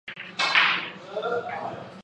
与相邻。